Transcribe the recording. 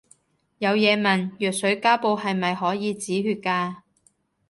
有嘢問，藥水膠布係咪可以止血㗎